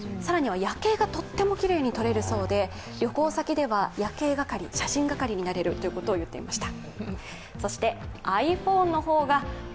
Ａｎｄｒｏｉｄは夜景がとってもきれいに撮れるそうで旅行先では夜景係、写真係になれると言っていました。